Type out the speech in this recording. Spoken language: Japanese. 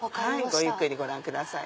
ごゆっくりご覧ください。